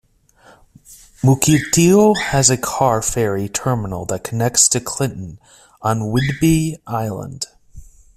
Mukilteo has a car ferry terminal that connects to Clinton, on Whidbey Island.